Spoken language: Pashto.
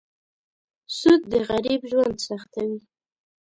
سود د غریب ژوند سختوي.